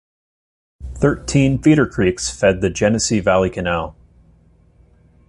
Thirteen feeder creeks fed the Genesee Valley Canal.